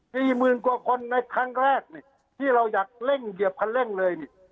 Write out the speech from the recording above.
หมื่นกว่าคนในครั้งแรกนี่ที่เราอยากเร่งเหยียบคันเร่งเลยนี่